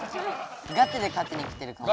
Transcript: ガチで勝ちにきてる顔。